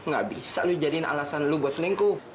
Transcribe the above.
gak bisa lo jadiin alasan lo buat selingkuh